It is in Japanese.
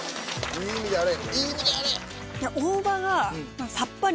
いい意味であれ。